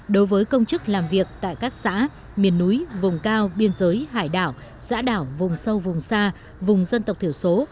đối với công chức làm việc tại các xã miền núi vùng cao biên giới hải đảo xã đảo vùng sâu vùng xa vùng dân tộc thiểu số